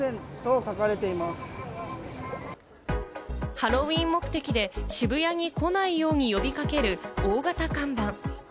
ハロウィーン目的で渋谷に来ないように呼び掛ける、大型看板。